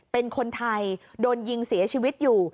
เป็นคนไทยโดนยิงเสียชีวิตอยู่